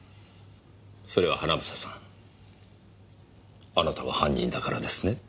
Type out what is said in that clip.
それは英さんあなたが犯人だからですね？